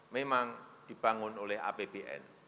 memang dibangun oleh apbn